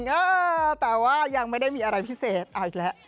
เออแต่ว่ายังไม่ได้มีอะไรพิเศษเอาอีกแล้ว